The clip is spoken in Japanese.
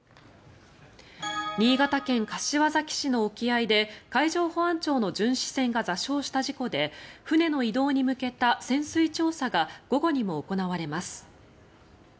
新潟県柏崎市の沖合で海上保安庁の巡視船が座礁した事故で船の移動に向けた潜水調査が午後にも行われます。